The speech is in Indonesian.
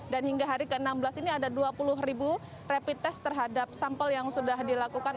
dan hingga hari ke enam belas ini ada dua puluh ribu rapid test terhadap sampel yang sudah dilakukan